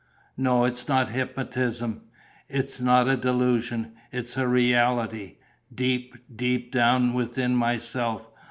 "No, it's not hypnotism. It's not a delusion: it's a reality, deep, deep down within myself.